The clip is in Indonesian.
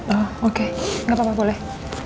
oh oke nggak apa apa boleh